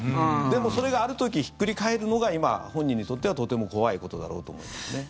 でも、それがある時ひっくり返るのが今、本人にとってはとても怖いことだろうと思いますね。